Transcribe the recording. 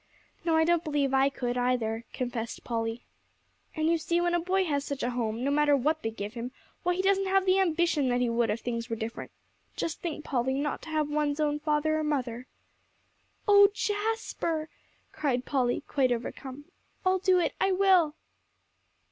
"No, I don't believe I could either," confessed Polly. "And you see, when a boy has such a home, no matter what they give him, why, he doesn't have the ambition that he would if things were different. Just think, Polly, not to have one's own father or mother." "Oh Jasper!" cried Polly, quite overcome. "I'll do it, I will."